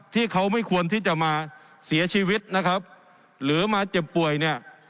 ที่เขาไม่ควรที่จะมาเสียชีวิตนะครับหรือมาเจ็บป่วยเนี่ย